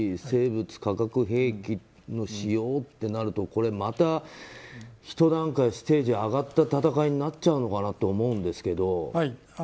生物・化学兵器の使用となるとまたひと段階ステージが上がった戦いになっちゃうのかなと思うんですけど。